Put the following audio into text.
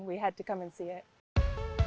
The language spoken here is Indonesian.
kita harus datang dan melihatnya